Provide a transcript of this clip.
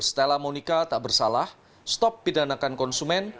stella monica tak bersalah stop pidanakan konsumen